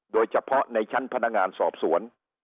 โดยเฉพาะในชั้นพนักงานสอบสวน